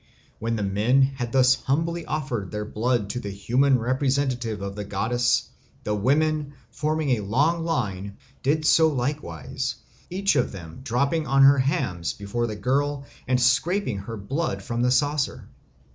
When the men had thus humbly offered their blood to the human representative of the goddess, the women, forming a long line, did so likewise, each of them dropping on her hams before the girl and scraping her blood from the saucer.